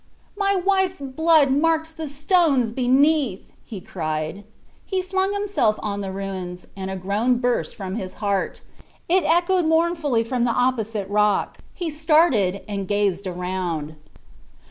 "My wife's blood marks the stones beneath!" cried he. He flung himself on the ruins, and a groan burst from his heart. It echoed mournfully from the opposite rock. He started and gazed around.